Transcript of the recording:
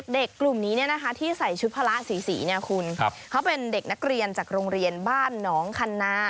เด็กกลุ่มนี้เนี่ยที่ใส่ชุดภาระสีคุณเป็นเด็กนักเรียนจากโรงเรียนบ้านหนองคณา